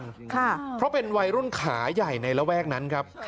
ค่ะเพราะเป็นวัยรุ่นขาใหญ่ในระแวกนั้นครับ